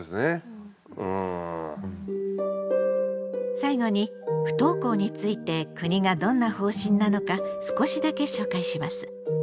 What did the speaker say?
最後に不登校について国がどんな方針なのか少しだけ紹介します。